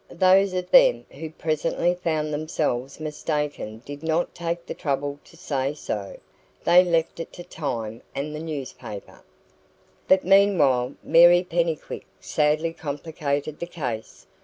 Those of them who presently found themselves mistaken did not take the trouble to say so. They left it to time and the newspapers. But meanwhile Mary Pennycuick sadly complicated the case.